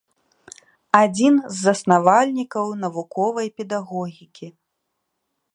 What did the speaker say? Адзін з заснавальнікаў навуковай педагогікі.